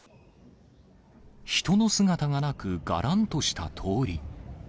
人の姿がなく、がらんとした通り。